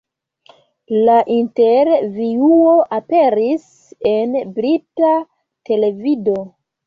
La intervjuo aperis en brita televido.